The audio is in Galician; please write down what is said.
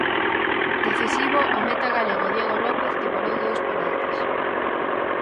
Decisivo o meta galego Diego López que parou dous penaltis.